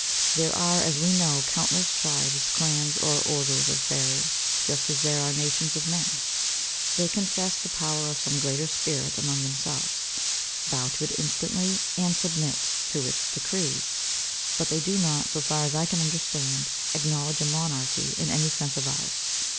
There are, as we know, countless tribes, clans, or orders of fairies, just as there are nations of men. They confess the power of some greater Spirit among themselves, bow to it instantly and submit to its decrees; but they do not, so far as I can understand, acknowledge a monarchy in any sense of ours.